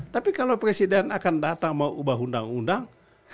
tapi kalau presiden akan datang mau ubah undang undang